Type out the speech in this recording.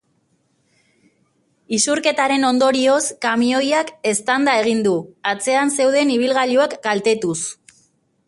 Isurketaren ondorioz, kamioiak eztanda egin du, atzean zeuden ibilgailuak kaltetuz.